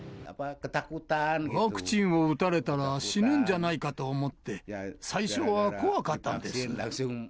ワクチンを打たれたら死ぬんじゃないかと思って、最初は怖かったんです。